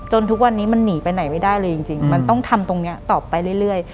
หลังจากนั้นเราไม่ได้คุยกันนะคะเดินเข้าบ้านอืม